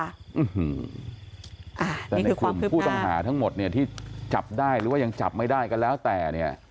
แต่ในความผู้ต้องหาทั้งหมดที่จับได้หรือยังจับไม่ได้ก็แล้วแต่